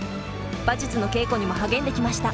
馬術の稽古にも励んできました。